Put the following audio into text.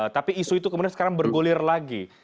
tapi isu itu kemudian sekarang bergulir lagi